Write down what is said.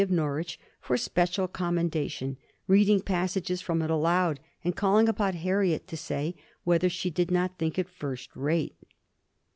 of Norwich for special commendation, reading passages from it aloud, and calling upon Harriet to say whether she did not think it first rate.